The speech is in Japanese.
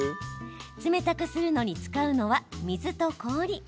冷たくするのに使うのは水と氷。